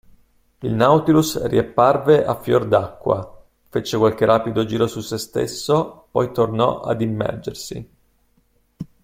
Il Nautilus riapparve a fior d'acqua, fece qualche rapido giro su se stesso, poi tornò ad immergersi.